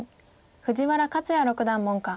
藤原克也六段門下。